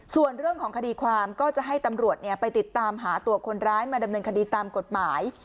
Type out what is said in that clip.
ส่วนเรื่องของคดีความก็จะให้ตำรวจไปติดตามหาตัวคนร้ายมาดำเนินคดีตามกฎหมาย